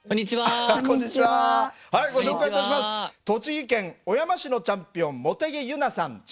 栃木県小山市のチャンピオン茂木結菜さん